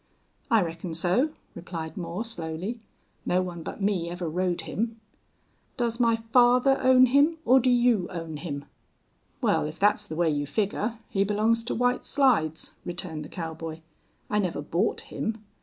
"I reckon so," replied Moore, slowly. "No one but me ever rode him." "Does my father own him or do you own him?" "Well, if that's the way you figure he belongs to White Slides," returned the cowboy. "I never bought him.